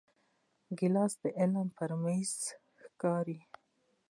ګیلاس د علم پر میز ښکاري.